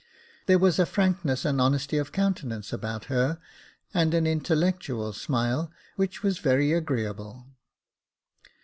There was a frankness and honesty of countenance about her, and an intellectual smile, which was very agreeable.